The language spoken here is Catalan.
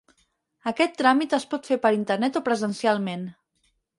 Aquest tràmit es pot fer per internet o presencialment.